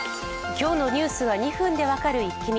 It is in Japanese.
今日のニュースが２分でわかるイッキ見。